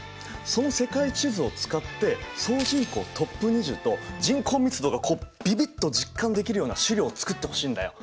その世界地図を使って総人口トップ２０と人口密度がこうビビッと実感できるような資料を作ってほしいんだよ。